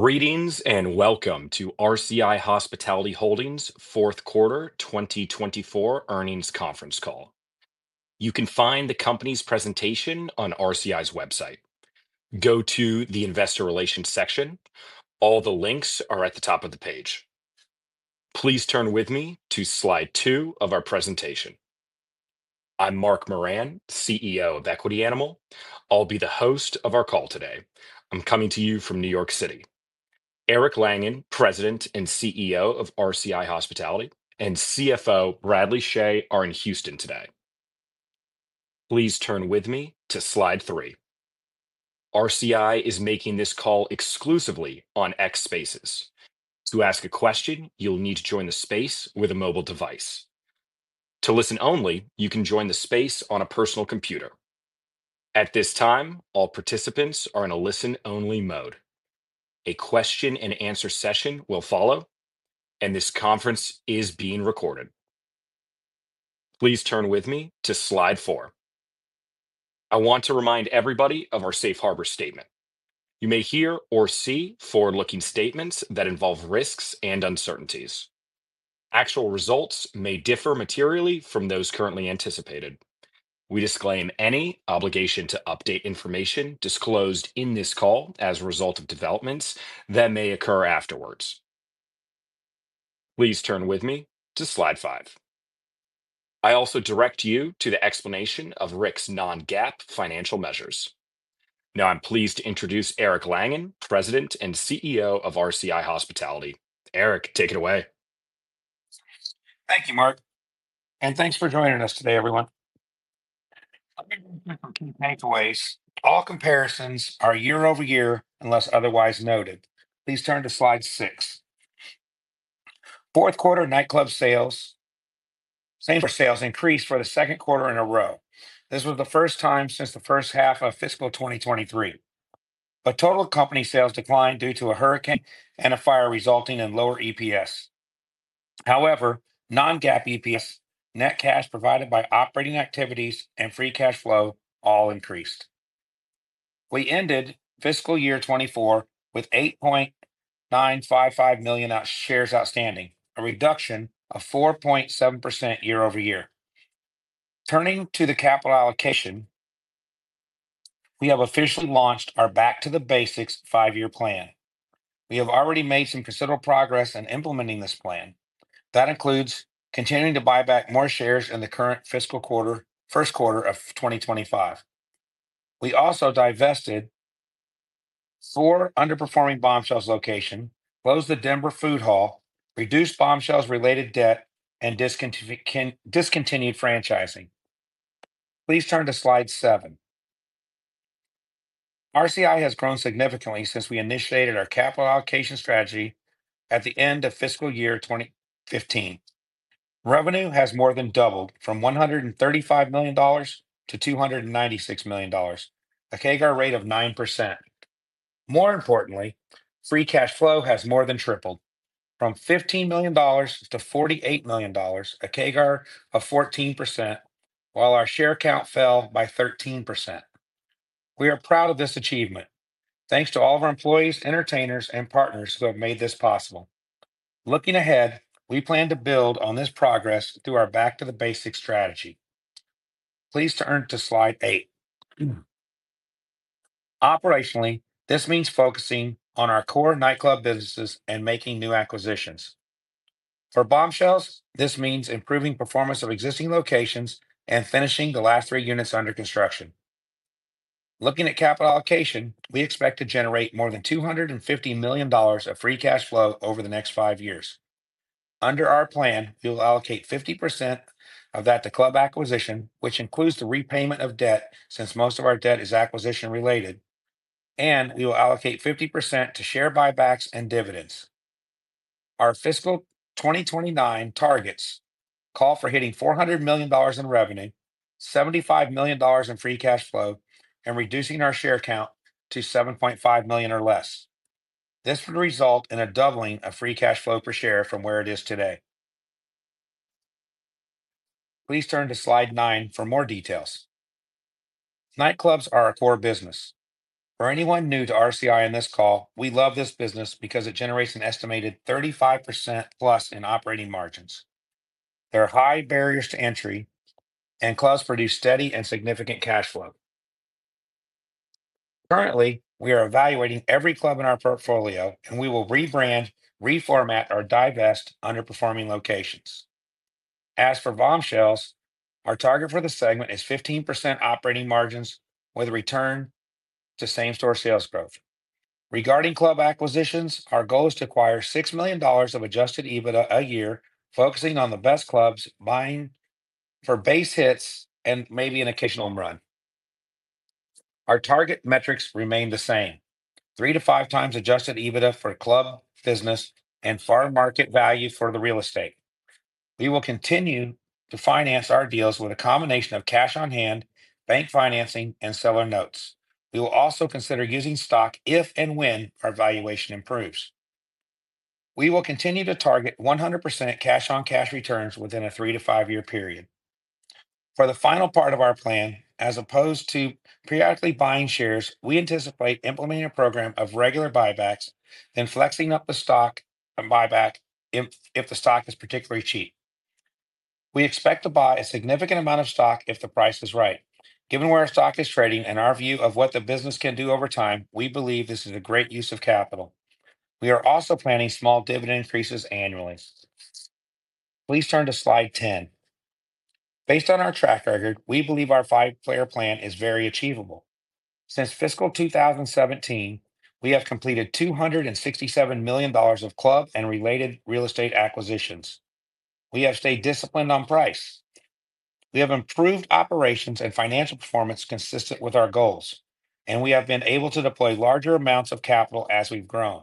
Greetings and welcome to RCI Hospitality Holdings' fourth quarter 2024 earnings conference call. You can find the company's presentation on RCI's website. Go to the Investor Relations section. All the links are at the top of the page. Please turn with me to slide two of our presentation. I'm Mark Moran, CEO of Equity Animal. I'll be the host of our call today. I'm coming to you from New York City. Eric Langan, President and CEO of RCI Hospitality, and CFO Bradley Chhay are in Houston today. Please turn with me to slide three. RCI is making this call exclusively on X Spaces. To ask a question, you'll need to join the space with a mobile device. To listen only, you can join the space on a personal computer. At this time, all participants are in a listen-only mode. A question-and-answer session will follow, and this conference is being recorded. Please turn with me to slide four. I want to remind everybody of our Safe Harbor Statement. You may hear or see forward-looking statements that involve risks and uncertainties. Actual results may differ materially from those currently anticipated. We disclaim any obligation to update information disclosed in this call as a result of developments that may occur afterwards. Please turn with me to slide five. I also direct you to the explanation of RCI's non-GAAP financial measures. Now, I'm pleased to introduce Eric Langan, President and CEO of RCI Hospitality. Eric, take it away. Thank you, Mark. And thanks for joining us today, everyone. I'll introduce a few takeaways. All comparisons are year-over-year unless otherwise noted. Please turn to slide six. Fourth quarter nightclub same-store sales increased for the second quarter in a row. This was the first time since the first half of fiscal 2023. But total company sales declined due to a hurricane and a fire resulting in lower EPS. However, non-GAAP EPS, net cash provided by operating activities, and free cash flow all increased. We ended fiscal year 2024 with 8.955 million shares outstanding, a reduction of 4.7% year-over-year. Turning to the capital allocation, we have officially launched our Back to the Basics five-year plan. We have already made some considerable progress in implementing this plan. That includes continuing to buy back more shares in the current fiscal quarter, first quarter of 2025. We also divested four underperforming Bombshells locations, closed The Grange Food Hall, reduced Bombshells-related debt, and discontinued franchising. Please turn to slide seven. RCI has grown significantly since we initiated our capital allocation strategy at the end of fiscal year 2015. Revenue has more than doubled from $135 million to $296 million, a CAGR rate of 9%. More importantly, free cash flow has more than tripled from $15 million to $48 million, a CAGR of 14%, while our share count fell by 13%. We are proud of this achievement. Thanks to all of our employees, entertainers, and partners who have made this possible. Looking ahead, we plan to build on this progress through our Back to the Basics strategy. Please turn to slide eight. Operationally, this means focusing on our core nightclub businesses and making new acquisitions. For Bombshells, this means improving performance of existing locations and finishing the last three units under construction. Looking at capital allocation, we expect to generate more than $250 million of free cash flow over the next five years. Under our plan, we will allocate 50% of that to club acquisition, which includes the repayment of debt since most of our debt is acquisition-related, and we will allocate 50% to share buybacks and dividends. Our fiscal 2029 targets call for hitting $400 million in revenue, $75 million in free cash flow, and reducing our share count to 7.5 million or less. This would result in a doubling of free cash flow per share from where it is today. Please turn to slide nine for more details. Nightclubs are our core business. For anyone new to RCI in this call, we love this business because it generates an estimated 35% plus in operating margins. There are high barriers to entry, and clubs produce steady and significant cash flow. Currently, we are evaluating every club in our portfolio, and we will rebrand, reformat, or divest underperforming locations. As for Bombshells, our target for the segment is 15% operating margins with a return to same-store sales growth. Regarding club acquisitions, our goal is to acquire $6 million of Adjusted EBITDA a year, focusing on the best clubs buying for base hits and maybe an occasional home run. Our target metrics remain the same: three to five times Adjusted EBITDA for club business and fair market value for the real estate. We will continue to finance our deals with a combination of cash on hand, bank financing, and seller notes. We will also consider using stock if and when our valuation improves. We will continue to target 100% cash-on-cash returns within a three- to five-year period. For the final part of our plan, as opposed to periodically buying shares, we anticipate implementing a program of regular buybacks, then flexing up the stock buyback if the stock is particularly cheap. We expect to buy a significant amount of stock if the price is right. Given where our stock is trading and our view of what the business can do over time, we believe this is a great use of capital. We are also planning small dividend increases annually. Please turn to slide 10. Based on our track record, we believe our five-pillar plan is very achievable. Since fiscal 2017, we have completed $267 million of club and related real estate acquisitions. We have stayed disciplined on price. We have improved operations and financial performance consistent with our goals, and we have been able to deploy larger amounts of capital as we've grown.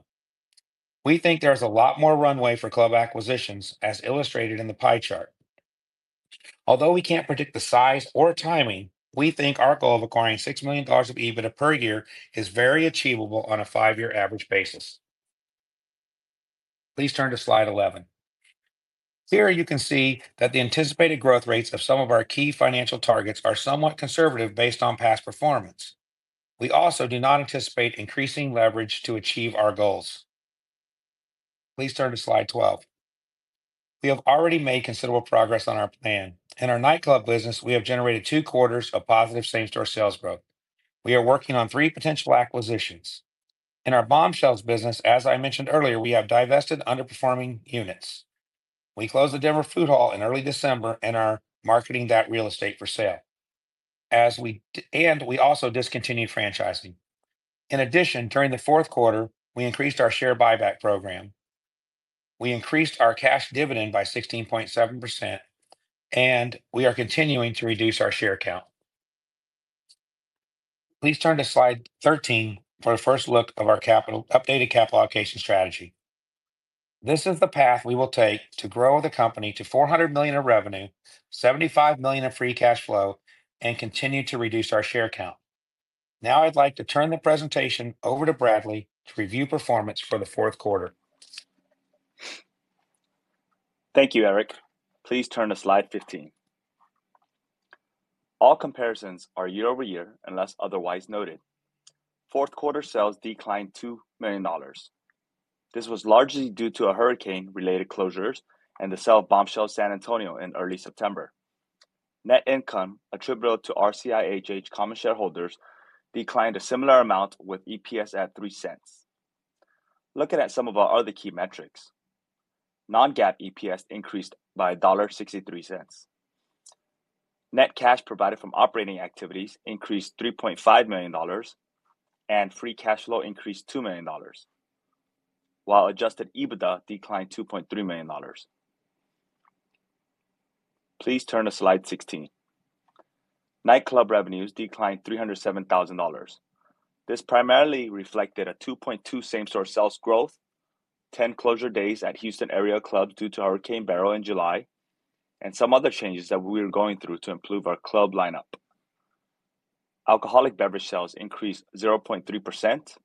We think there is a lot more runway for club acquisitions, as illustrated in the pie chart. Although we can't predict the size or timing, we think our goal of acquiring $6 million of EBITDA per year is very achievable on a five-year average basis. Please turn to slide 11. Here you can see that the anticipated growth rates of some of our key financial targets are somewhat conservative based on past performance. We also do not anticipate increasing leverage to achieve our goals. Please turn to slide 12. We have already made considerable progress on our plan. In our nightclub business, we have generated two quarters of positive same-store sales growth. We are working on three potential acquisitions. In our Bombshells business, as I mentioned earlier, we have divested underperforming units. We closed The Grange Food Hall in early December and are marketing that real estate for sale, and we also discontinued franchising. In addition, during the fourth quarter, we increased our share buyback program. We increased our cash dividend by 16.7%, and we are continuing to reduce our share count. Please turn to slide 13 for a first look of our updated capital allocation strategy. This is the path we will take to grow the company to $400 million of revenue, $75 million of free cash flow, and continue to reduce our share count. Now I'd like to turn the presentation over to Bradley to review performance for the fourth quarter. Thank you, Eric. Please turn to slide 15. All comparisons are year-over-year unless otherwise noted. Fourth quarter sales declined $2 million. This was largely due to hurricane-related closures and the sale of Bombshells San Antonio in early September. Net income, attributable to RCI HH common shareholders, declined a similar amount with EPS at $0.03. Looking at some of our other key metrics, Non-GAAP EPS increased by $1.63. Net cash provided from operating activities increased $3.5 million, and Free Cash Flow increased $2 million, while Adjusted EBITDA declined $2.3 million. Please turn to slide 16. Nightclub revenues declined $307,000. This primarily reflected a 2.2% same-store sales growth, 10 closure days at Houston area clubs due to Hurricane Beryl in July, and some other changes that we are going through to improve our club lineup. Alcoholic beverage sales increased 0.3%,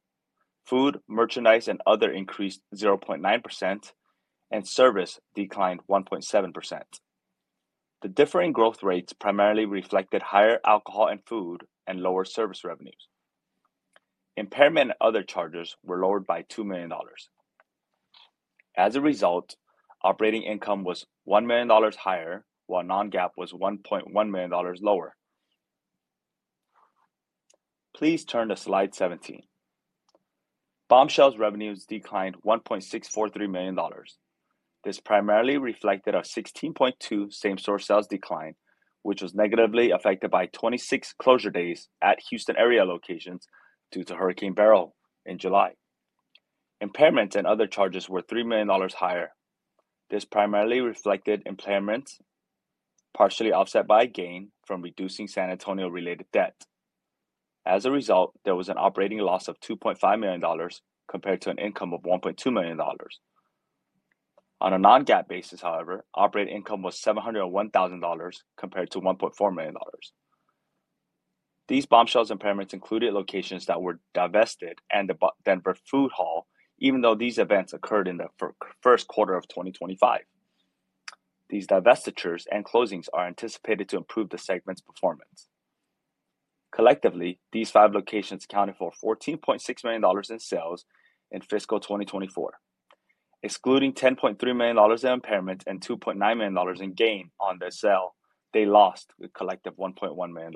food, merchandise, and other increased 0.9%, and service declined 1.7%. The differing growth rates primarily reflected higher alcohol and food and lower service revenues. Impairment and other charges were lowered by $2 million. As a result, operating income was $1 million higher, while non-GAAP was $1.1 million lower. Please turn to slide 17. Bombshells revenues declined $1.643 million. This primarily reflected a 16.2% same-store sales decline, which was negatively affected by 26 closure days at Houston area locations due to Hurricane Beryl in July. Impairments and other charges were $3 million higher. This primarily reflected impairments, partially offset by gain from reducing San Antonio-related debt. As a result, there was an operating loss of $2.5 million compared to an income of $1.2 million. On a non-GAAP basis, however, operating income was $701,000 compared to $1.4 million. These Bombshells impairments included locations that were divested and The Grange Food Hall, even though these events occurred in the first quarter of 2025. These divestitures and closings are anticipated to improve the segment's performance. Collectively, these five locations accounted for $14.6 million in sales in fiscal 2024. Excluding $10.3 million of impairments and $2.9 million in gain on the sale, they lost a collective $1.1 million.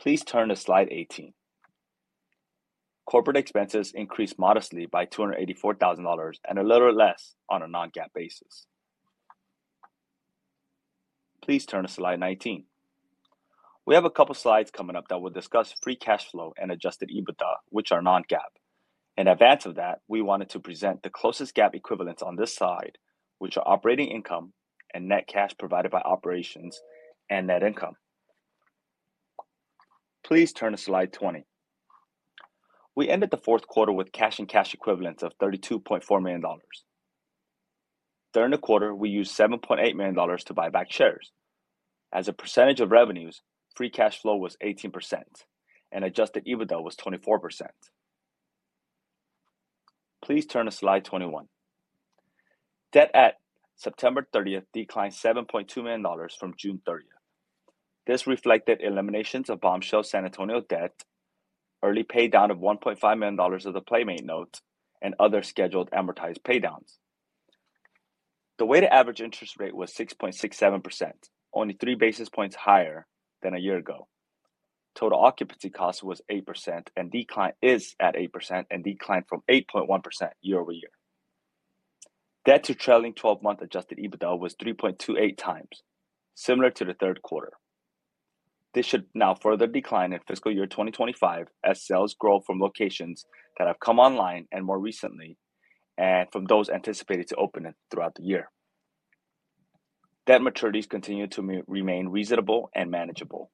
Please turn to slide 18. Corporate expenses increased modestly by $284,000 and a little less on a Non-GAAP basis. Please turn to slide 19. We have a couple of slides coming up that will discuss Free Cash Flow and Adjusted EBITDA, which are Non-GAAP. In advance of that, we wanted to present the closest GAAP equivalents on this slide, which are operating income and net cash provided by operations and net income. Please turn to slide 20. We ended the fourth quarter with cash and cash equivalents of $32.4 million. During the quarter, we used $7.8 million to buy back shares. As a percentage of revenues, free cash flow was 18%, and Adjusted EBITDA was 24%. Please turn to slide 21. Debt at September 30th declined $7.2 million from June 30th. This reflected eliminations of Bombshells San Antonio debt, early paydown of $1.5 million of the Playmates note, and other scheduled amortized paydowns. The weighted average interest rate was 6.67%, only three basis points higher than a year ago. Total occupancy cost was 8% and is at 8% and declined from 8.1% year-over-year. Debt to trailing 12-month Adjusted EBITDA was 3.28 times, similar to the third quarter. This should now further decline in fiscal year 2025 as sales grow from locations that have come online and more recently and from those anticipated to open throughout the year. Debt maturities continue to remain reasonable and manageable.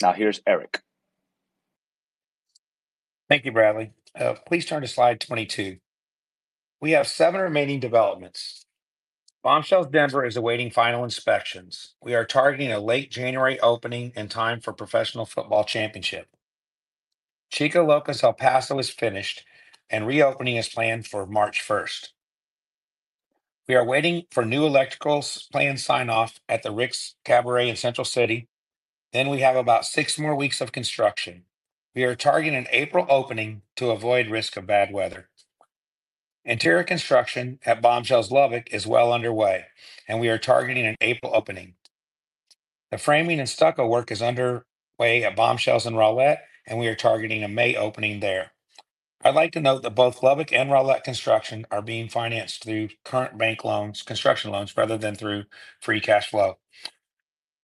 Now here's Eric. Thank you, Bradley. Please turn to slide 22. We have seven remaining developments. Bombshells Denver is awaiting final inspections. We are targeting a late January opening in time for professional football championship. Chicas Locas El Paso is finished, and reopening is planned for March 1st. We are waiting for new electrical plan sign-off at the Rick's Cabaret in Central City. Then we have about six more weeks of construction. We are targeting an April opening to avoid risk of bad weather. Interior construction at Bombshells Lubbock is well underway, and we are targeting an April opening. The framing and stucco work is underway at Bombshells in Rowlett, and we are targeting a May opening there. I'd like to note that both Lubbock and Rowlett construction are being financed through current bank loans, construction loans, rather than through free cash flow.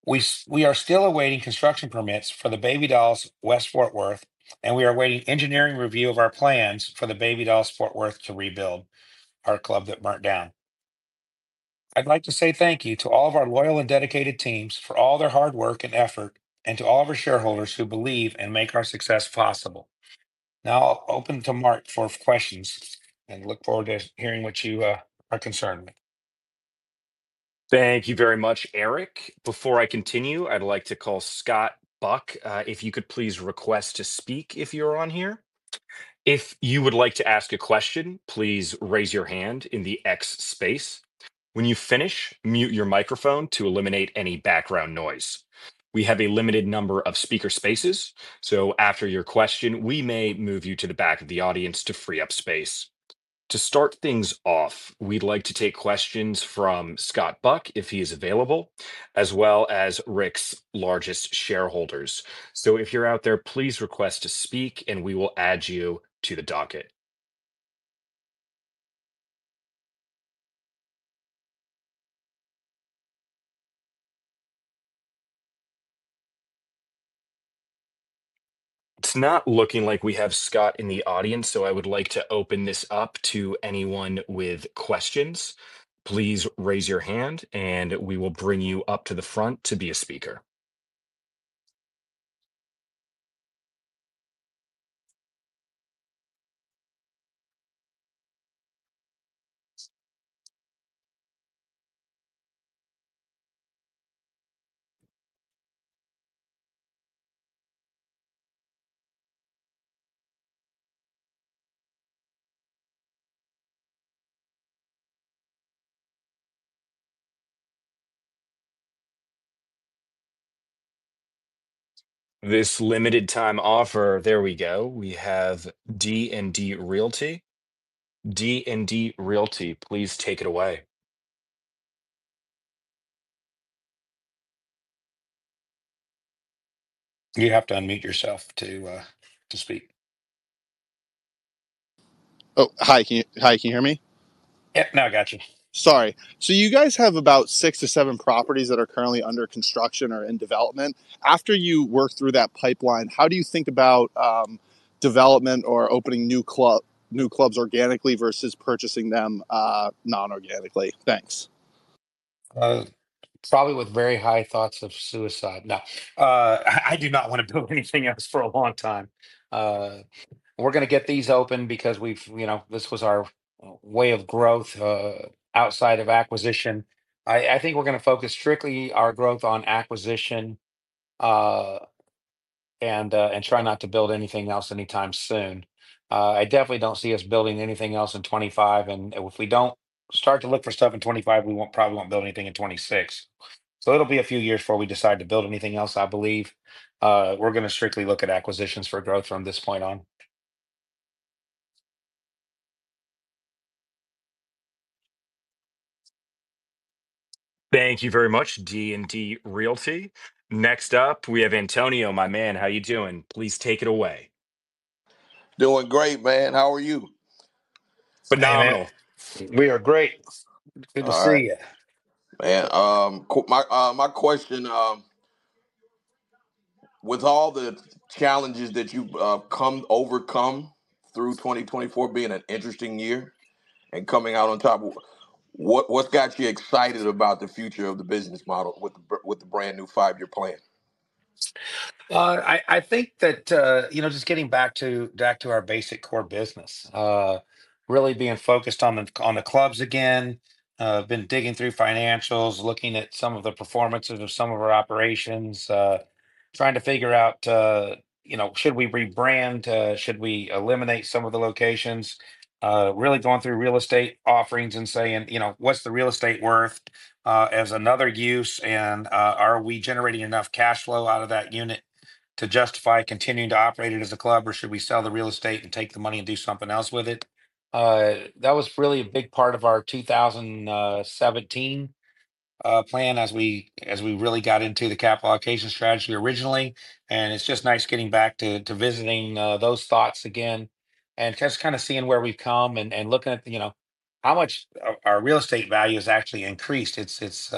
We are still awaiting construction permits for the Baby Dolls West Fort Worth, and we are awaiting engineering review of our plans for the Baby Dolls Fort Worth to rebuild our club that burned down. I'd like to say thank you to all of our loyal and dedicated teams for all their hard work and effort, and to all of our shareholders who believe and make our success possible. Now I'll open to Mark for questions, and look forward to hearing what you are concerned with. Thank you very much, Eric. Before I continue, I'd like to call Scott Buck if you could please request to speak if you're on here. If you would like to ask a question, please raise your hand in the X space. When you finish, mute your microphone to eliminate any background noise. We have a limited number of speaker spaces, so after your question, we may move you to the back of the audience to free up space. To start things off, we'd like to take questions from Scott Buck if he is available, as well as Rick's largest shareholders. So if you're out there, please request to speak, and we will add you to the docket. It's not looking like we have Scott in the audience, so I would like to open this up to anyone with questions. Please raise your hand, and we will bring you up to the front to be a speaker. This limited-time offer. There we go. We have D&D Realty. D&D Realty, please take it away. You have to unmute yourself to speak. Oh, hi. Can you hear me? Yeah, now I got you. Sorry. So you guys have about six to seven properties that are currently under construction or in development. After you work through that pipeline, how do you think about development or opening new clubs organically versus purchasing them non-organically? Thanks. Probably with very high thoughts of suicide. No, I do not want to build anything else for a long time. We're going to get these open because this was our way of growth outside of acquisition. I think we're going to focus strictly our growth on acquisition and try not to build anything else anytime soon. I definitely don't see us building anything else in 2025. And if we don't start to look for stuff in 2025, we probably won't build anything in 2026. So it'll be a few years before we decide to build anything else, I believe. We're going to strictly look at acquisitions for growth from this point on. Thank you very much, D&D Realty. Next up, we have Antonio, my man. How are you doing? Please take it away. Doing great, man. How are you? Phenomenal. We are great. Good to see you. Man, my question, with all the challenges that you've overcome through 2024 being an interesting year and coming out on top, what's got you excited about the future of the business model with the brand new five-year plan? I think that just getting back to our basic core business, really being focused on the clubs again, been digging through financials, looking at some of the performances of some of our operations, trying to figure out, should we rebrand? Should we eliminate some of the locations? Really going through real estate offerings and saying, what's the real estate worth as another use? And are we generating enough cash flow out of that unit to justify continuing to operate it as a club, or should we sell the real estate and take the money and do something else with it? That was really a big part of our 2017 plan as we really got into the capital allocation strategy originally. And it's just nice getting back to visiting those thoughts again and just kind of seeing where we've come and looking at how much our real estate value has actually increased. It's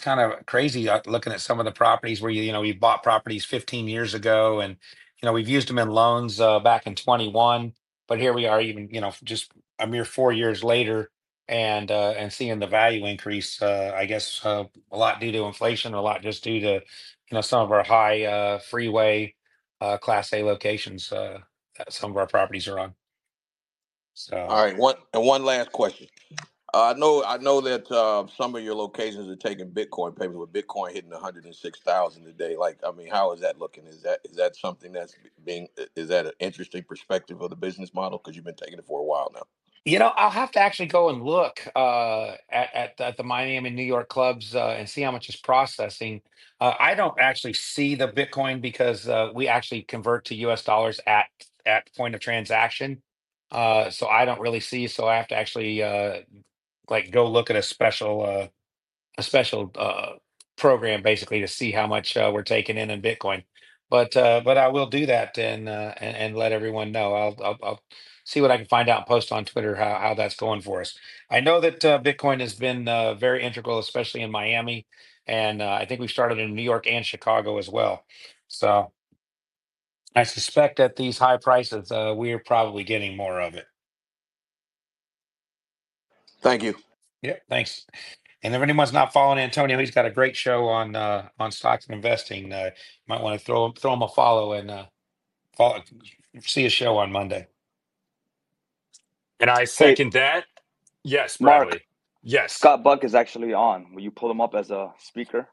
kind of crazy looking at some of the properties where we bought properties 15 years ago, and we've used them in loans back in 2021. But here we are even just a mere four years later and seeing the value increase, I guess, a lot due to inflation, a lot just due to some of our high freeway class A locations that some of our properties are on. All right. One last question. I know that some of your locations are taking Bitcoin payments with Bitcoin hitting 106,000 a day. I mean, how is that looking? Is that something that's being, is that an interesting perspective of the business model because you've been taking it for a while now? You know, I'll have to actually go and look at the Miami and New York clubs and see how much it's processing. I don't actually see the Bitcoin because we actually convert to U.S. dollars at point of transaction. So I don't really see it. So I have to actually go look at a special program basically to see how much we're taking in in Bitcoin. But I will do that and let everyone know. I'll see what I can find out and post on Twitter how that's going for us. I know that Bitcoin has been very integral, especially in Miami, and I think we started in New York and Chicago as well, so I suspect at these high prices, we're probably getting more of it. Thank you. Yep, thanks. And if anyone's not following Antonio, he's got a great show on stocks and investing. You might want to throw him a follow and see his show on Monday. Can I second that? Yes, probably. Yes. Scott Buck is actually on. Will you pull him up as a speaker?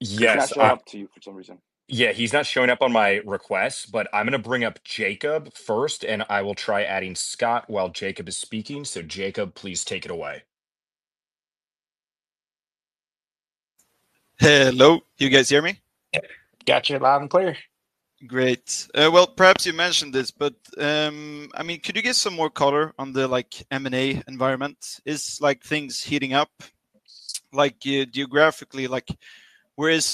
Yes. He's not showing up to you for some reason. Yeah, he's not showing up on my request, but I'm going to bring up Jacob first, and I will try adding Scott while Jacob is speaking. So Jacob, please take it away. Hello. You guys hear me? Got you loud and clear. Great. Well, perhaps you mentioned this, but I mean, could you get some more color on the M&A environment? Is things heating up geographically? Where is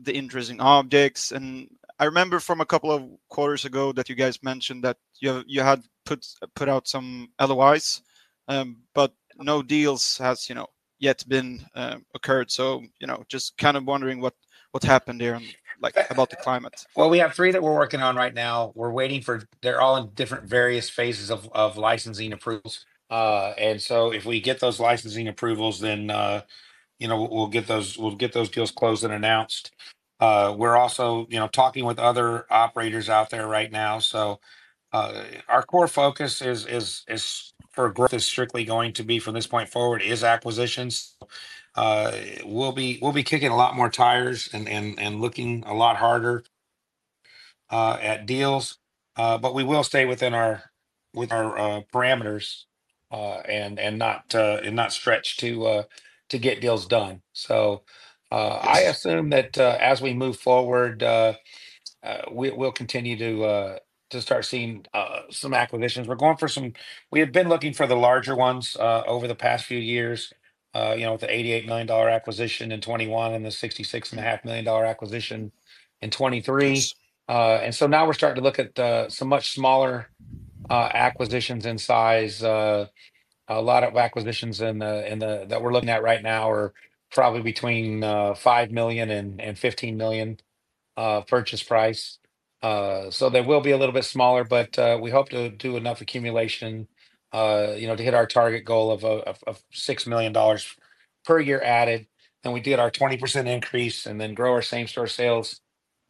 the interesting objects? And I remember from a couple of quarters ago that you guys mentioned that you had put out some LOIs, but no deals have yet occurred. So just kind of wondering what happened there about the climate. We have three that we're working on right now. We're waiting for. They're all in different various phases of licensing approvals. If we get those licensing approvals, then we'll get those deals closed and announced. We're also talking with other operators out there right now. Our core focus for is strictly going to be, from this point forward, acquisitions. We'll be kicking a lot more tires and looking a lot harder at deals. We will stay within our parameters and not stretch to get deals done. I assume that as we move forward, we'll continue to start seeing some acquisitions. We're going for some. We have been looking for the larger ones over the past few years with the $88 million acquisition in 2021 and the $66.5 million acquisition in 2023. And so now we're starting to look at some much smaller acquisitions in size. A lot of acquisitions that we're looking at right now are probably between $5 million-$15 million purchase price. So they will be a little bit smaller, but we hope to do enough accumulation to hit our target goal of $6 million per year added. Then we did our 20% increase and then grow our same-store sales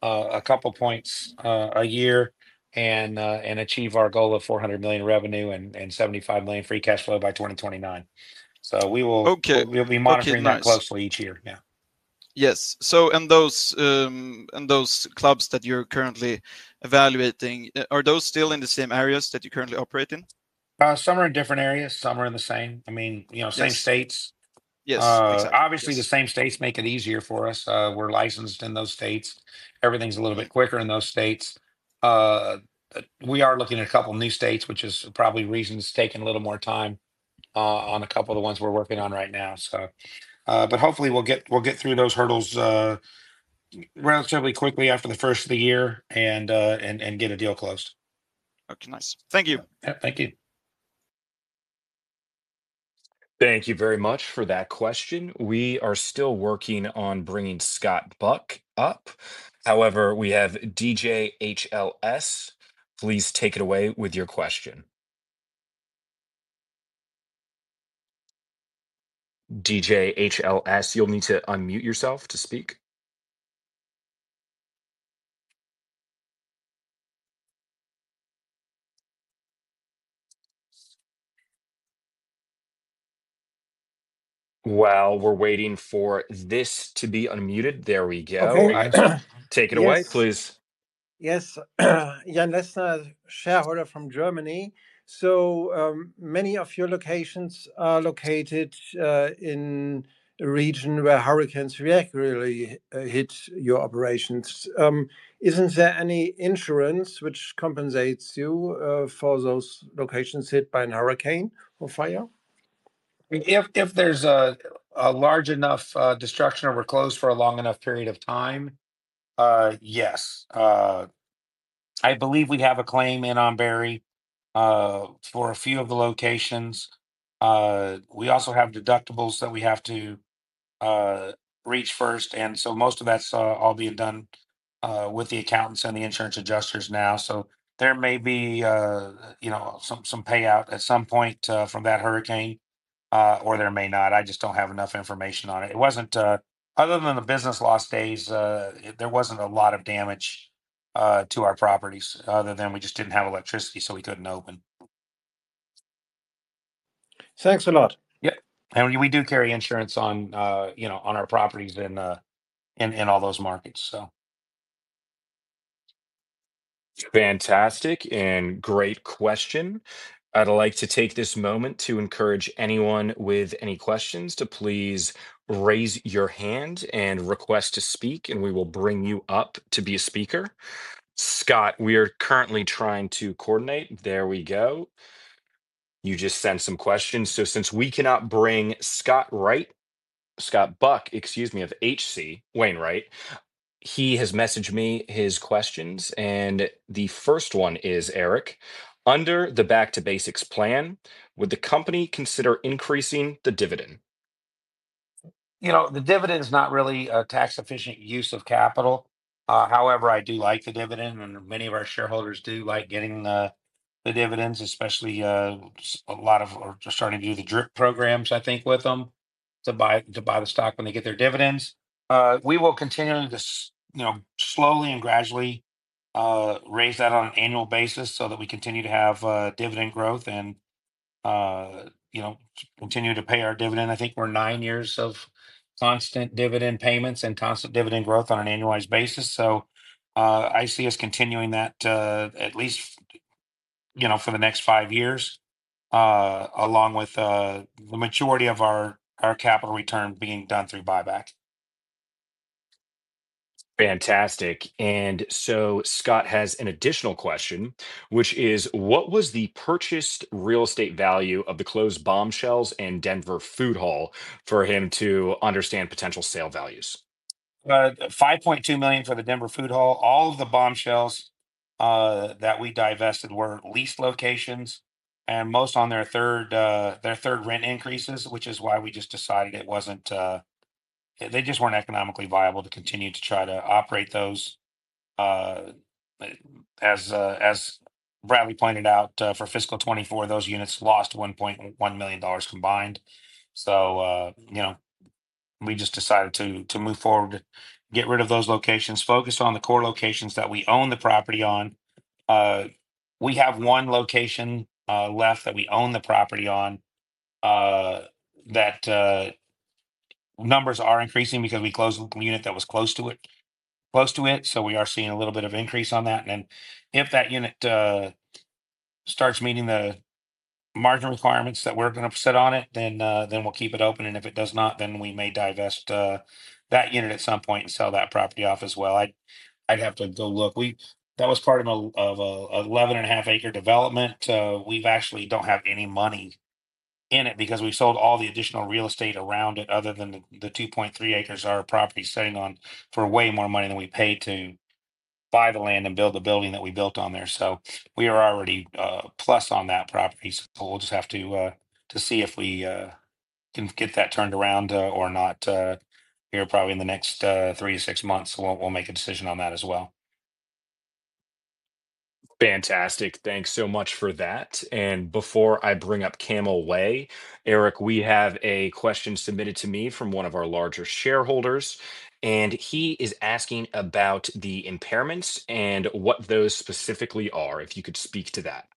a couple of points a year and achieve our goal of $400 million revenue and $75 million free cash flow by 2029. So we will be monitoring that closely each year. Yeah. Yes. In those clubs that you're currently evaluating, are those still in the same areas that you currently operate in? Some are in different areas. Some are in the same. I mean, same states. Obviously, the same states make it easier for us. We're licensed in those states. Everything's a little bit quicker in those states. We are looking at a couple of new states, which is probably the reason it's taking a little more time on a couple of the ones we're working on right now. But hopefully, we'll get through those hurdles relatively quickly after the first of the year and get a deal closed. Okay. Nice. Thank you. Thank you. Thank you very much for that question. We are still working on bringing Scott Buck up. However, we have DJ HLS. Please take it away with your question. DJ HLS, you'll need to unmute yourself to speak. While we're waiting for this to be unmuted, there we go. Take it away, please. Yes. Jan Leissner, shareholder from Germany. So many of your locations are located in a region where hurricanes regularly hit your operations. Isn't there any insurance which compensates you for those locations hit by a hurricane or fire? If there's a large enough destruction or we're closed for a long enough period of time, yes. I believe we have a claim on Beryl for a few of the locations. We also have deductibles that we have to reach first. And so most of that's already been done with the accountants and the insurance adjusters now. So there may be some payout at some point from that hurricane, or there may not. I just don't have enough information on it. Other than the business loss days, there wasn't a lot of damage to our properties other than we just didn't have electricity, so we couldn't open. Thanks a lot. Yep, and we do carry insurance on our properties in all those markets, so. Fantastic. And great question. I'd like to take this moment to encourage anyone with any questions to please raise your hand and request to speak, and we will bring you up to be a speaker. Scott, we are currently trying to coordinate. There we go. You just sent some questions. So since we cannot bring Scott Wright, Scott Buck, excuse me, of H.C. Wainwright, he has messaged me his questions. And the first one is, "Eric, under the back-to-basics plan, would the company consider increasing the dividend? The dividend is not really a tax-efficient use of capital. However, I do like the dividend, and many of our shareholders do like getting the dividends, especially a lot of starting to do the DRIP programs, I think, with them to buy the stock when they get their dividends. We will continue to slowly and gradually raise that on an annual basis so that we continue to have dividend growth and continue to pay our dividend. I think we're nine years of constant dividend payments and constant dividend growth on an annualized basis. So I see us continuing that at least for the next five years, along with the majority of our capital return being done through buyback. Fantastic, and so Scott has an additional question, which is, "What was the purchased real estate value of the closed Bombshells and Denver Food Hall for him to understand potential sale values? $5.2 million for the Denver Food Hall. All of the Bombshells that we divested were leased locations and most on their third rent increases, which is why we just decided it wasn't. They just weren't economically viable to continue to try to operate those. As Bradley pointed out, for fiscal 2024, those units lost $1.1 million combined. So we just decided to move forward, get rid of those locations, focus on the core locations that we own the property on. We have one location left that we own the property on that numbers are increasing because we closed a unit that was close to it. So we are seeing a little bit of increase on that. And if that unit starts meeting the margin requirements that we're going to set on it, then we'll keep it open. And if it does not, then we may divest that unit at some point and sell that property off as well. I'd have to go look. That was part of an 11 and a half acre development. We actually don't have any money in it because we sold all the additional real estate around it other than the 2.3 acres our property is sitting on for way more money than we paid to buy the land and build the building that we built on there. So we are already plus on that property. So we'll just have to see if we can get that turned around or not here probably in the next three to six months. We'll make a decision on that as well. Fantastic. Thanks so much for that. And before I bring up Adam Wyden, Eric, we have a question submitted to me from one of our larger shareholders. And he is asking about the impairments and what those specifically are, if you could speak to that.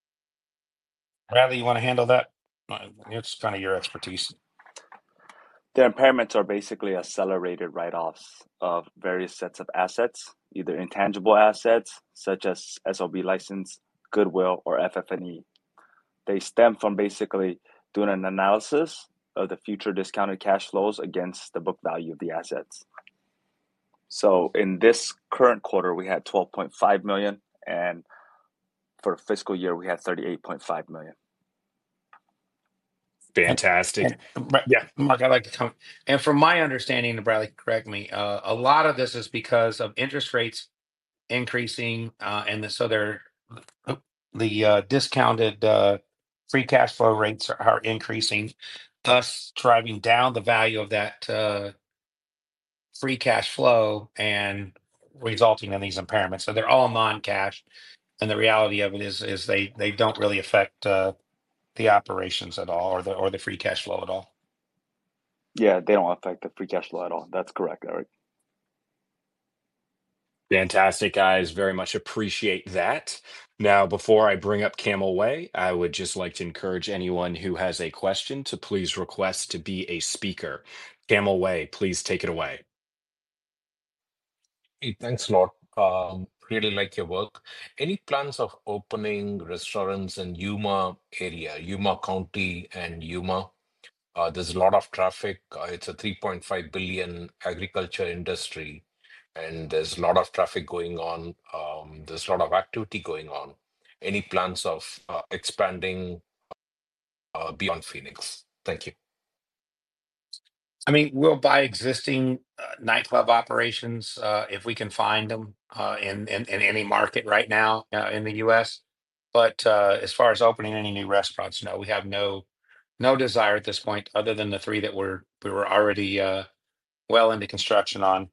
Bradley, you want to handle that? It's kind of your expertise. The impairments are basically accelerated write-offs of various sets of assets, either intangible assets such as SOB license, goodwill, or FF&E. They stem from basically doing an analysis of the future discounted cash flows against the book value of the assets, so in this current quarter, we had $12.5 million, and for the fiscal year, we had $38.5 million. Fantastic. Yeah. Mark, I'd like to comment. And from my understanding, and Bradley, correct me, a lot of this is because of interest rates increasing. And so the discounted free cash flow rates are increasing, thus driving down the value of that free cash flow and resulting in these impairments. So they're all non-cash. And the reality of it is they don't really affect the operations at all or the free cash flow at all. Yeah, they don't affect the Free Cash Flow at all. That's correct, Eric. Fantastic. I very much appreciate that. Now, before I bring up Adam Wyden, I would just like to encourage anyone who has a question to please request to be a speaker. Adam Wyden, please take it away. Hey, thanks a lot. Really like your work. Any plans of opening restaurants in Yuma area, Yuma County, and Yuma? There's a lot of traffic. It's a 3.5 billion agriculture industry, and there's a lot of traffic going on. There's a lot of activity going on. Any plans of expanding beyond Phoenix? Thank you. I mean, we'll buy existing nightclub operations if we can find them in any market right now in the U.S. But as far as opening any new restaurants, no, we have no desire at this point other than the three that we were already well into construction on.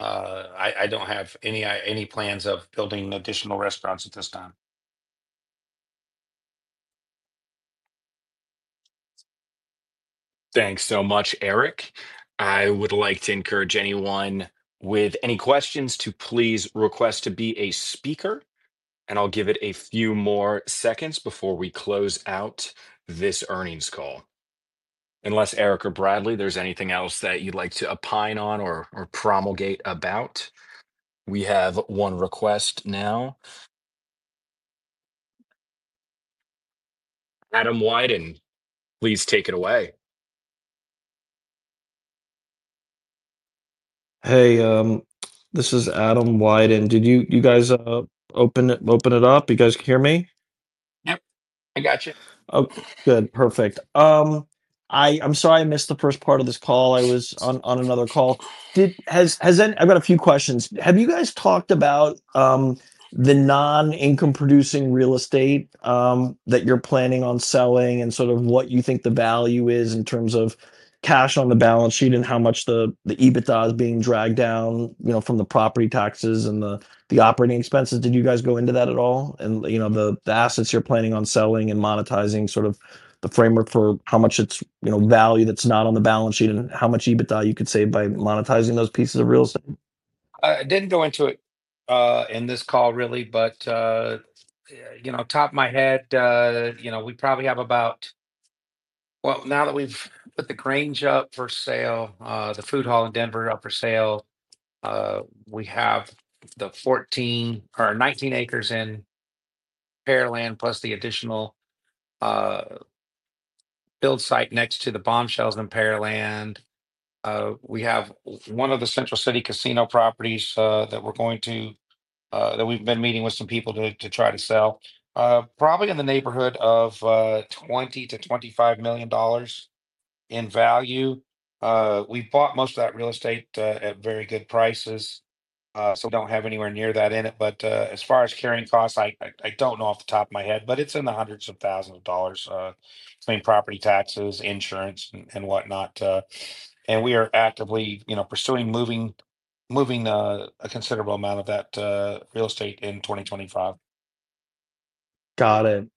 I don't have any plans of building additional restaurants at this time. Thanks so much, Eric. I would like to encourage anyone with any questions to please request to be a speaker. I'll give it a few more seconds before we close out this earnings call. Unless Eric or Bradley, there's anything else that you'd like to opine on or promulgate about? We have one request now. Adam Wyden, please take it away. Hey, this is Adam Wyden. Did you guys open it up? You guys can hear me? Yep. I got you. Okay. Good. Perfect. I'm sorry I missed the first part of this call. I was on another call. I've got a few questions. Have you guys talked about the non-income-producing real estate that you're planning on selling and sort of what you think the value is in terms of cash on the balance sheet and how much the EBITDA is being dragged down from the property taxes and the operating expenses? Did you guys go into that at all? And the assets you're planning on selling and monetizing, sort of the framework for how much its value that's not on the balance sheet and how much EBITDA you could save by monetizing those pieces of real estate? I didn't go into it in this call, really, but off the top of my head, we probably have about, well, now that we've put The Grange Food Hall in Denver up for sale, we have the 14 or 19 acres in Pearland plus the additional build site next to the Bombshells in Pearland. We have one of the Central City, Colorado casino properties that we're going to that we've been meeting with some people to try to sell, probably in the neighborhood of $20 million-$25 million in value. We bought most of that real estate at very good prices, so we don't have anywhere near that in it. But as far as carrying costs, I don't know off the top of my head, but it's in the hundreds of thousands of dollars between property taxes, insurance, and whatnot. We are actively pursuing moving a considerable amount of that real estate in 2025. Got it.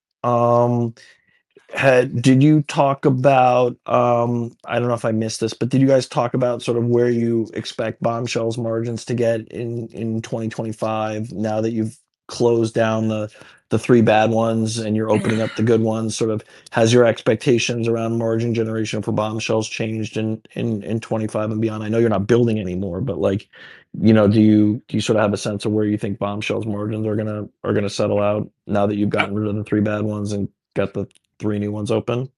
Did you talk about - I don't know if I missed this - but did you guys talk about sort of where you expect Bombshells margins to get in 2025 now that you've closed down the three bad ones and you're opening up the good ones? Sort of has your expectations around margin generation for Bombshells changed in 2025 and beyond? I know you're not building anymore, but do you sort of have a sense of where you think Bombshells margins are going to settle out now that you've gotten rid of the three bad ones and got the three new ones open?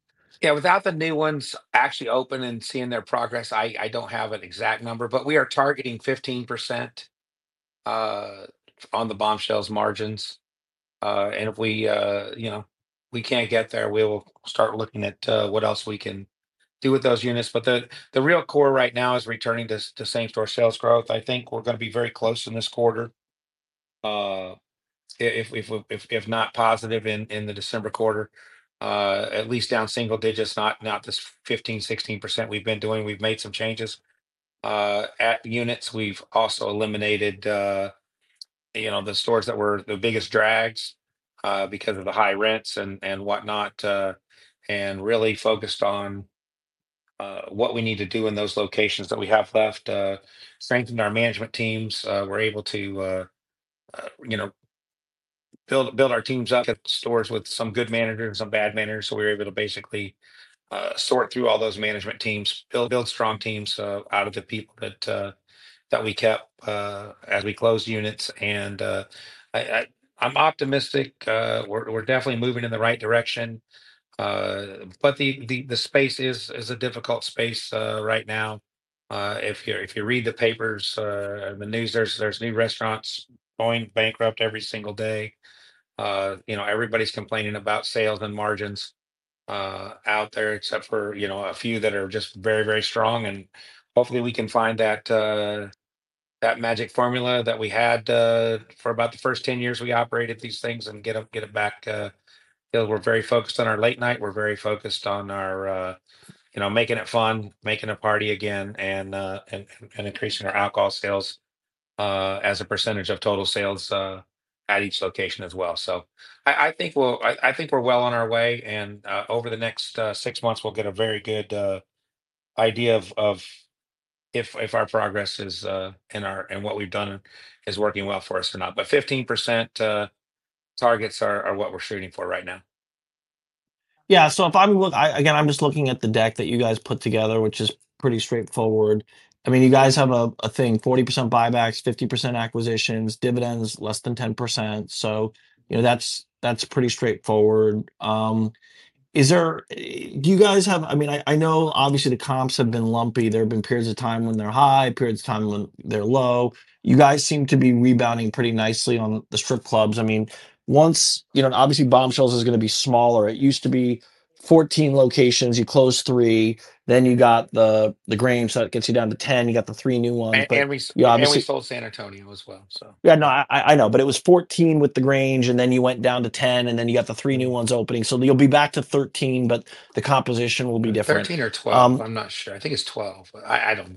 Yeah. Without the new ones actually open and seeing their progress, I don't have an exact number. But we are targeting 15% on the Bombshells margins. And if we can't get there, we will start looking at what else we can do with those units. But the real core right now is returning to same-store sales growth. I think we're going to be very close in this quarter, if not positive in the December quarter, at least down single digits, not this 15%-16% we've been doing. We've made some changes at units. We've also eliminated the stores that were the biggest drags because of the high rents and whatnot and really focused on what we need to do in those locations that we have left, strengthened our management teams. We're able to build our teams up, get stores with some good managers and some bad managers. So we were able to basically sort through all those management teams, build strong teams out of the people that we kept as we closed units. And I'm optimistic. We're definitely moving in the right direction. But the space is a difficult space right now. If you read the papers, the news, there's new restaurants going bankrupt every single day. Everybody's complaining about sales and margins out there, except for a few that are just very, very strong. And hopefully, we can find that magic formula that we had for about the first 10 years we operated these things and get it back. We're very focused on our late night. We're very focused on making it fun, making a party again, and increasing our alcohol sales as a percentage of total sales at each location as well. So I think we're well on our way. Over the next six months, we'll get a very good idea of if our progress is and what we've done is working well for us or not. 15% targets are what we're shooting for right now. Yeah. So if I'm looking again, I'm just looking at the deck that you guys put together, which is pretty straightforward. I mean, you guys have a thing, 40% buybacks, 50% acquisitions, dividends less than 10%. So that's pretty straightforward. Do you guys have, I mean, I know, obviously, the comps have been lumpy. There have been periods of time when they're high, periods of time when they're low. You guys seem to be rebounding pretty nicely on the strip clubs. I mean, obviously, Bombshells is going to be smaller. It used to be 14 locations. You closed three. Then you got The Grange that gets you down to 10. You got the three new ones. And we sold San Antonio as well, so. Yeah. No, I know. But it was 14 with The Grange, and then you went down to 10, and then you got the three new ones opening. So you'll be back to 13, but the composition will be different. 13 or 12. I'm not sure. I think it's 12. I don't know.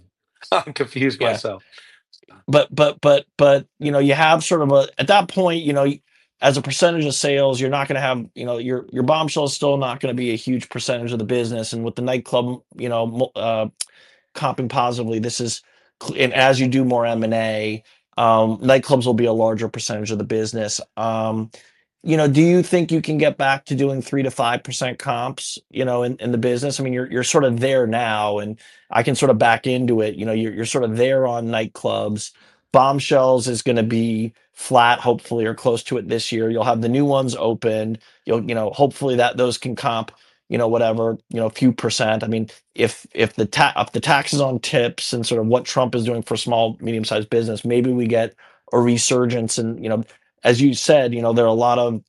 I'm confused myself. But you have sort of a, at that point, as a percentage of sales, you're not going to have your Bombshells still not going to be a huge percentage of the business. And with the nightclub comping positively, this is and as you do more M&A, nightclubs will be a larger percentage of the business. Do you think you can get back to doing 3%-5% comps in the business? I mean, you're sort of there now, and I can sort of back into it. You're sort of there on nightclubs. Bombshells is going to be flat, hopefully, or close to it this year. You'll have the new ones open. Hopefully, those can comp whatever, a few percent. I mean, if the tax is on tips and sort of what Trump is doing for small, medium-sized business, maybe we get a resurgence. As you said, there are a lot of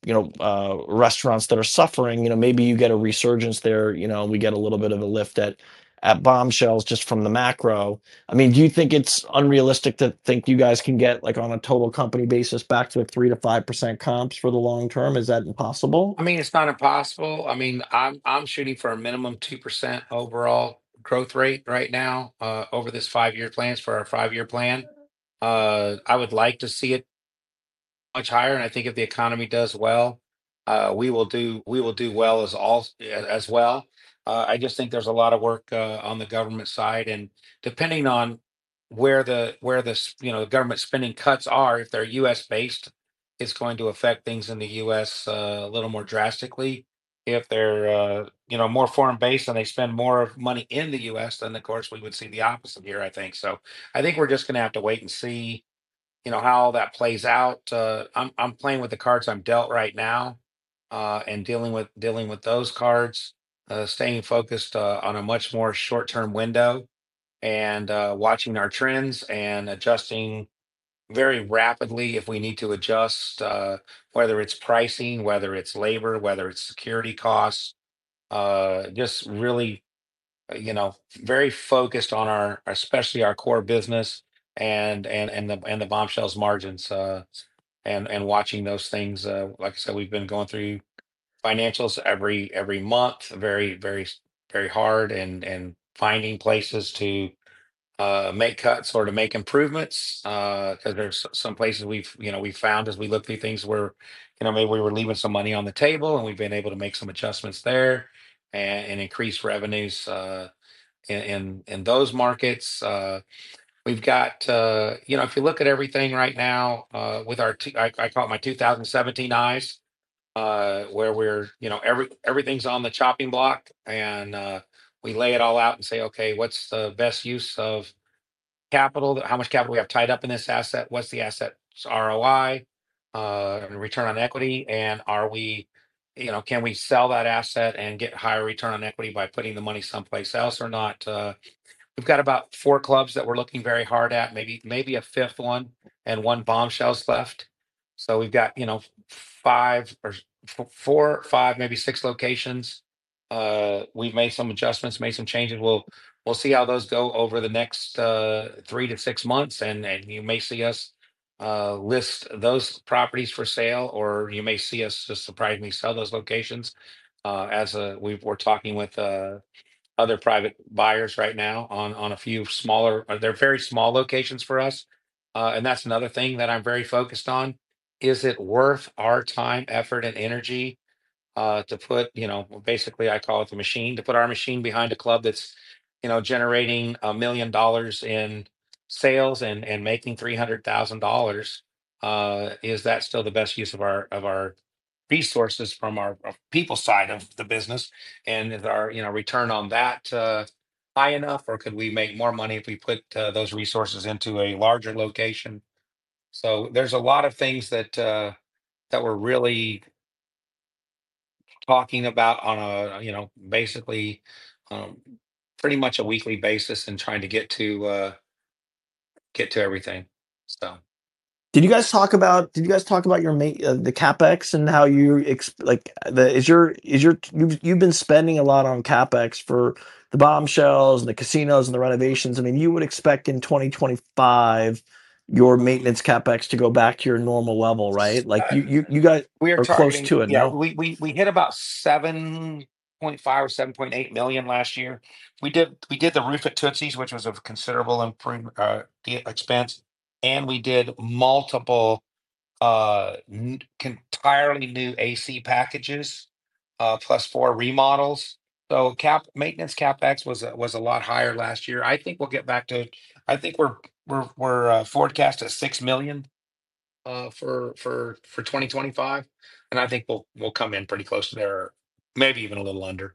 restaurants that are suffering. Maybe you get a resurgence there. We get a little bit of a lift at Bombshells just from the macro. I mean, do you think it's unrealistic to think you guys can get, on a total company basis, back to 3%-5% comps for the long term? Is that impossible? I mean, it's not impossible. I mean, I'm shooting for a minimum 2% overall growth rate right now over this five-year plans for our five-year plan. I would like to see it much higher. And I think if the economy does well, we will do well as well. I just think there's a lot of work on the government side. And depending on where the government spending cuts are, if they're U.S.-based, it's going to affect things in the U.S. a little more drastically. If they're more foreign-based and they spend more money in the U.S., then, of course, we would see the opposite here, I think. So I think we're just going to have to wait and see how all that plays out. I'm playing with the cards I'm dealt right now and dealing with those cards, staying focused on a much more short-term window and watching our trends and adjusting very rapidly if we need to adjust, whether it's pricing, whether it's labor, whether it's security costs, just really very focused on, especially, our core business and the Bombshells margins and watching those things. Like I said, we've been going through financials every month very hard and finding places to make cuts or to make improvements because there's some places we've found as we look through things where maybe we were leaving some money on the table, and we've been able to make some adjustments there and increase revenues in those markets. We've got, if you look at everything right now with our—I call it my 2017 eyes—where everything's on the chopping block. We lay it all out and say, "Okay, what's the best use of capital? How much capital we have tied up in this asset? What's the asset's ROI and return on equity? And can we sell that asset and get higher return on equity by putting the money someplace else or not?" We've got about four clubs that we're looking very hard at, maybe a fifth one and one Bombshells left. So we've got four, five, maybe six locations. We've made some adjustments, made some changes. We'll see how those go over the next three-to-six months. And you may see us list those properties for sale, or you may see us just surprisingly sell those locations. We're talking with other private buyers right now on a few smaller - they're very small locations for us. And that's another thing that I'm very focused on. Is it worth our time, effort, and energy to put, basically, I call it the machine, to put our machine behind a club that's generating $1 million in sales and making $300,000? Is that still the best use of our resources from our people side of the business? And is our return on that high enough, or could we make more money if we put those resources into a larger location? So there's a lot of things that we're really talking about on a, basically, pretty much a weekly basis and trying to get to everything, so. Did you guys talk about the CapEx and how you've been spending a lot on CapEx for the Bombshells and the casinos and the renovations? I mean, you would expect in 2025 your maintenance CapEx to go back to your normal level, right? You guys are close to it, no? We hit about $7.5 or $7.8 million last year. We did the roof at Tootsie's, which was a considerable expense, and we did multiple entirely new AC packages plus four remodels, so maintenance CapEx was a lot higher last year. I think we'll get back to. I think we're forecast at $6 million for 2025, and I think we'll come in pretty close to there, maybe even a little under.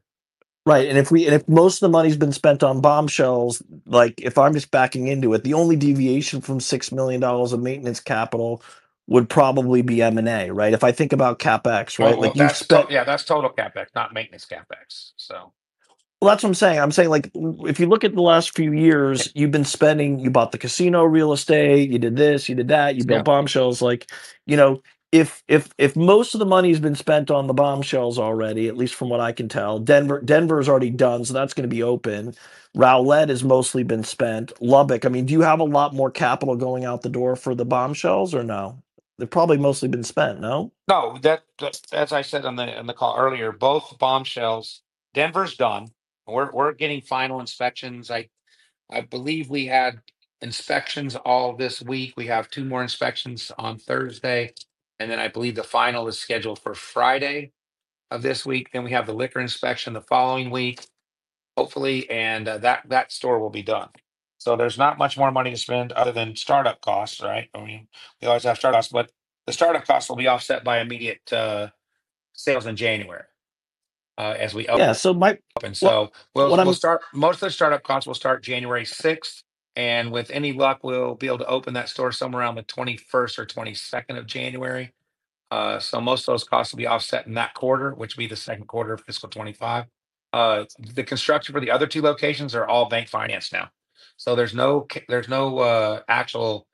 Right. And if most of the money's been spent on Bombshells, if I'm just backing into it, the only deviation from $6 million of maintenance capital would probably be M&A, right? If I think about CapEx, right? Yeah. That's total CapEx, not maintenance CapEx, so. Well, that's what I'm saying. I'm saying if you look at the last few years, you've been spending. You bought the casino real estate. You did this. You did that. You built Bombshells. If most of the money's been spent on the Bombshells already, at least from what I can tell, Denver's already done, so that's going to be open. Rowlett has mostly been spent. Lubbock, I mean, do you have a lot more capital going out the door for the Bombshells or no? They've probably mostly been spent, no? No. As I said on the call earlier, both Bombshells, Denver's done. We're getting final inspections. I believe we had inspections all this week. We have two more inspections on Thursday, and then I believe the final is scheduled for Friday of this week, then we have the liquor inspection the following week, hopefully, and that store will be done. So there's not much more money to spend other than startup costs, right? I mean, we always have startup costs, but the startup costs will be offset by immediate sales in January as we. Yeah. So Mike. And so most of the startup costs will start January 6th. And with any luck, we'll be able to open that store somewhere around the 21st or 22nd of January. So most of those costs will be offset in that quarter, which will be the second quarter of fiscal 2025. The construction for the other two locations are all bank financed now. So there's no actual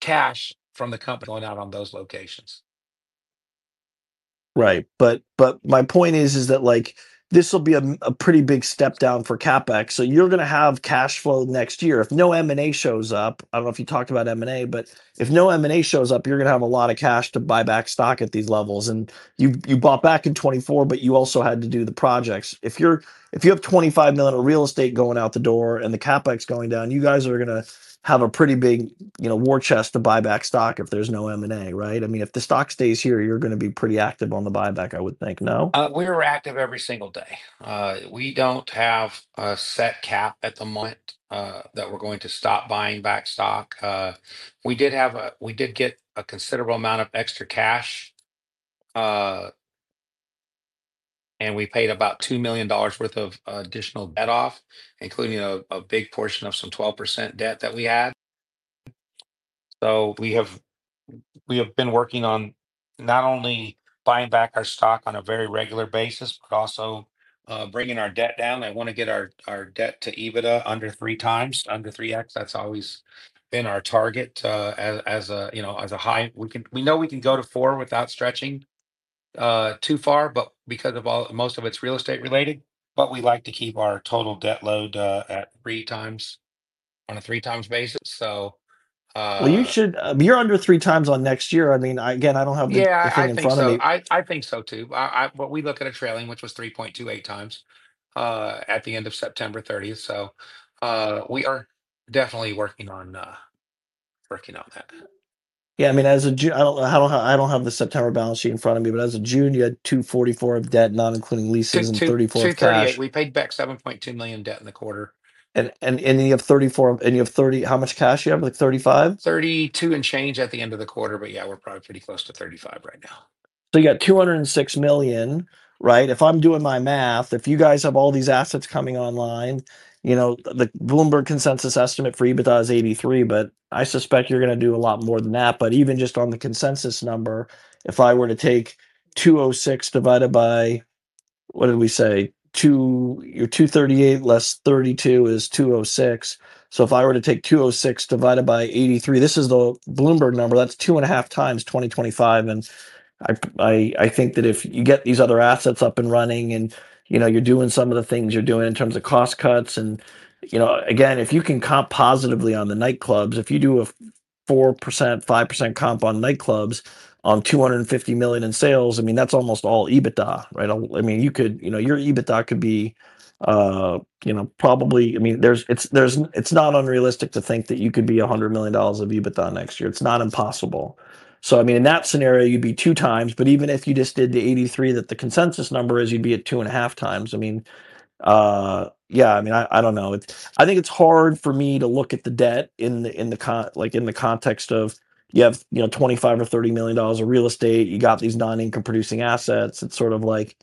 cash from the company going out on those locations. Right. But my point is that this will be a pretty big step down for CapEx. So you're going to have cash flow next year. If no M&A shows up, I don't know if you talked about M&A, but if no M&A shows up, you're going to have a lot of cash to buy back stock at these levels. And you bought back in 2024, but you also had to do the projects. If you have $25 million of real estate going out the door and the CapEx going down, you guys are going to have a pretty big war chest to buy back stock if there's no M&A, right? I mean, if the stock stays here, you're going to be pretty active on the buyback, I would think, no? We are active every single day. We don't have a set cap at the moment that we're going to stop buying back stock. We did get a considerable amount of extra cash, and we paid about $2 million worth of additional debt off, including a big portion of some 12% debt that we had. So we have been working on not only buying back our stock on a very regular basis, but also bringing our debt down. I want to get our debt to EBITDA under 3X. That's always been our target as a high. We know we can go to 4 without stretching too far, but because most of it's real estate related. But we like to keep our total debt load at 3X on a 3X basis, so. You're under 3X on next year. I mean, again, I don't have the thing in front of me. Yeah. I think so too. But we look at a trailing, which was 3.28X at the end of September 30th. So we are definitely working on that. Yeah. I mean, I don't have the September balance sheet in front of me, but as of June, you had $244 million of debt, not including leases, and $34 million cash. We paid back $7.2 million debt in the quarter. You have 34, how much cash do you have? Like 35? 32 and change at the end of the quarter, but yeah, we're probably pretty close to 35 right now. So you got $206 million, right? If I'm doing my math, if you guys have all these assets coming online, the Bloomberg Consensus estimate for EBITDA is $83 million, but I suspect you're going to do a lot more than that. But even just on the consensus number, if I were to take 206 divided by, what did we say? Your $238 million less $32 million is $206 million. So if I were to take 206 divided by 83, this is the Bloomberg number. That's 2.5 times 2025. And I think that if you get these other assets up and running and you're doing some of the things you're doing in terms of cost cuts, and again, if you can comp positively on the nightclubs, if you do a 4%-5% comp on nightclubs on $250 million in sales, I mean, that's almost all EBITDA, right? I mean, your EBITDA could be probably, I mean, it's not unrealistic to think that you could be $100 million of EBITDA next year. It's not impossible. So I mean, in that scenario, you'd be 2X. But even if you just did the 83 that the consensus number is, you'd be at 2.5X. I mean, yeah. I mean, I don't know. I think it's hard for me to look at the debt in the context of you have 25 or 30 million of real estate. You got these non-income-producing assets. It's sort of like,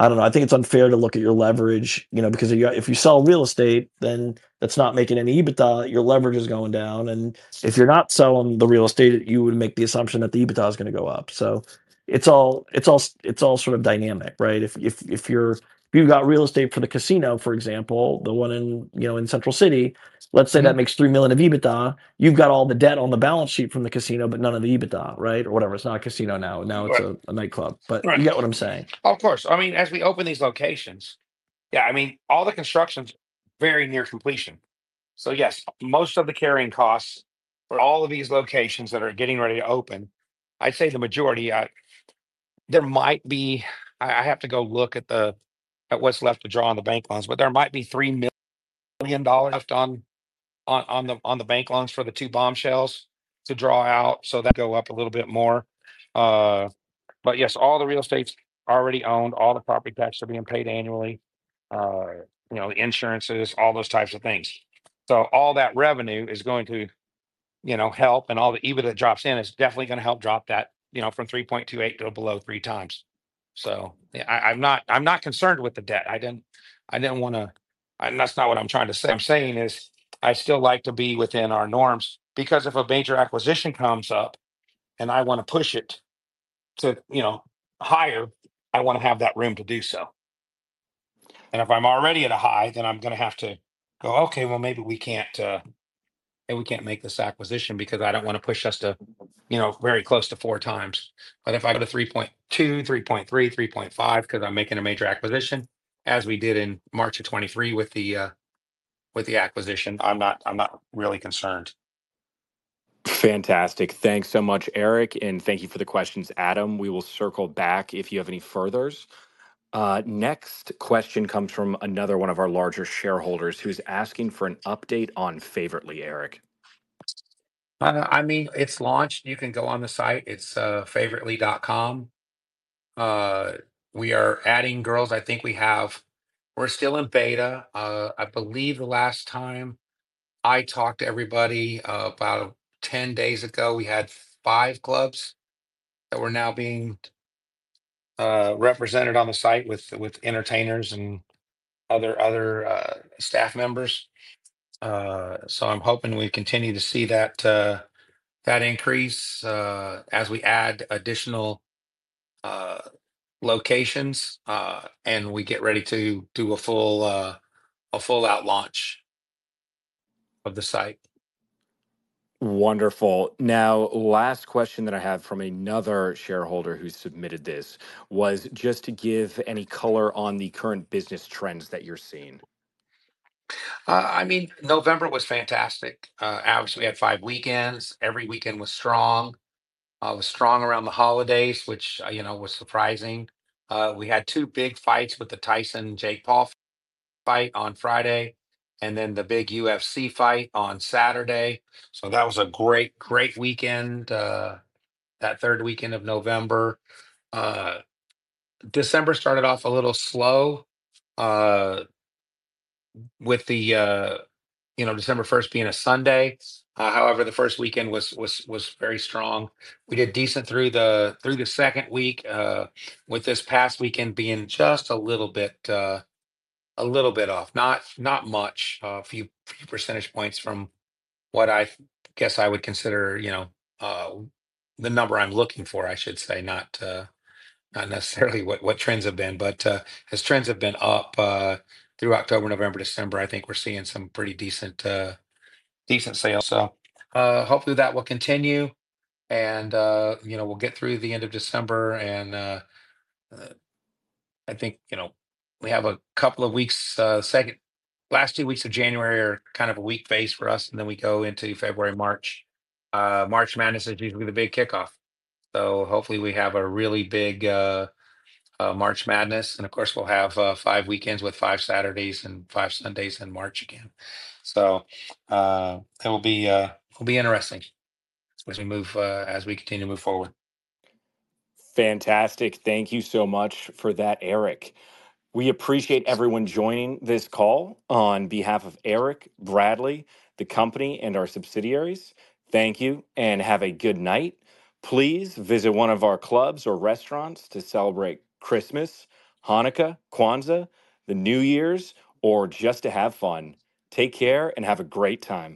I don't know. I think it's unfair to look at your leverage because if you sell real estate, then that's not making any EBITDA. Your leverage is going down. And if you're not selling the real estate, you would make the assumption that the EBITDA is going to go up. So it's all sort of dynamic, right? If you've got real estate for the casino, for example, the one in Central City, let's say that makes three million of EBITDA, you've got all the debt on the balance sheet from the casino, but none of the EBITDA, right? Or whatever. It's not a casino now. Now it's a nightclub. But you get what I'm saying. Of course. I mean, as we open these locations, yeah, I mean, all the construction's very near completion. So yes, most of the carrying costs for all of these locations that are getting ready to open, I'd say the majority, there might be, I have to go look at what's left to draw on the bank loans, but there might be $3 million left on the bank loans for the two Bombshells to draw out so that go up a little bit more. But yes, all the real estate's already owned. All the property taxes are being paid annually, the insurances, all those types of things. So all that revenue is going to help, and all the EBITDA that drops in is definitely going to help drop that from 3.28 to below 3X. So I'm not concerned with the debt. I didn't want to, and that's not what I'm trying to say. I'm saying is I'd still like to be within our norms because if a major acquisition comes up and I want to push it to higher, I want to have that room to do so. And if I'm already at a high, then I'm going to have to go, "Okay, well, maybe we can't make this acquisition because I don't want to push us to very close to 4X." But if I go to 3.2, 3.3, 3.5 because I'm making a major acquisition, as we did in March of 2023 with the acquisition, I'm not really concerned. Fantastic. Thanks so much, Eric. And thank you for the questions, Adam. We will circle back if you have any further. Next question comes from another one of our larger shareholders who's asking for an update on Favoritly, Eric. I mean, it's launched. You can go on the site. It's Favoritly.com. We are adding girls. I think we have—we're still in beta. I believe the last time I talked to everybody about 10 days ago, we had five clubs that were now being represented on the site with entertainers and other staff members. So I'm hoping we continue to see that increase as we add additional locations and we get ready to do a full-out launch of the site. Wonderful. Now, last question that I have from another shareholder who submitted this was just to give any color on the current business trends that you're seeing. I mean, November was fantastic. Obviously, we had five weekends. Every weekend was strong. It was strong around the holidays, which was surprising. We had two big fights with the Tyson-Jake Paul fight on Friday and then the big UFC fight on Saturday. So that was a great, great weekend, that third weekend of November. December started off a little slow with December 1st being a Sunday. However, the first weekend was very strong. We did decent through the second week with this past weekend being just a little bit off, not much, a few percentage points from what I guess I would consider the number I'm looking for, I should say, not necessarily what trends have been, but as trends have been up through October, November, December, I think we're seeing some pretty decent sales. So hopefully that will continue, and we'll get through the end of December. And I think we have a couple of weeks. Last two weeks of January are kind of a weak phase for us. And then we go into February, March. March Madness is usually the big kickoff. So hopefully we have a really big March Madness. And of course, we'll have five weekends with five Saturdays and five Sundays in March again. So it will be interesting as we continue to move forward. Fantastic. Thank you so much for that, Eric. We appreciate everyone joining this call on behalf of Eric, Bradley, the company, and our subsidiaries. Thank you and have a good night. Please visit one of our clubs or restaurants to celebrate Christmas, Hanukkah, Kwanzaa, the New Year's, or just to have fun. Take care and have a great time.